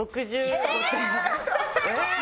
えっ？